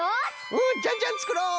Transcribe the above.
うんじゃんじゃんつくろう！